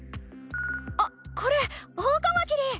あっこれオオカマキリ！